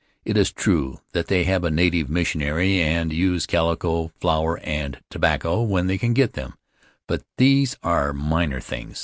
It is true that they have a native missionary, and use calico, flour, and tobacco when they can get them; but these are minor things.